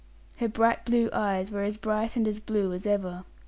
Her bright blue eyes were as bright and as blue as ever.